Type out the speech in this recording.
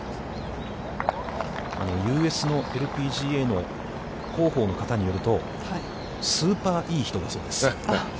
ＵＳＬＰＧＡの広報の方によると、スーパーいい人だそうです。